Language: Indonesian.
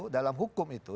dalam hukum itu